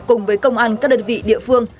cùng với công an các đơn vị địa phương